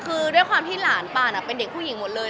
คือด้วยความที่หลานปานเป็นเด็กผู้หญิงหมดเลย